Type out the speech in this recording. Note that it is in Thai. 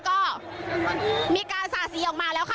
ก็มีการสาดสีออกมาแล้วค่ะ